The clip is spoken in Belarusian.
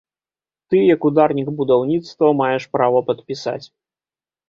Ты, як ударнік будаўніцтва, маеш права падпісаць.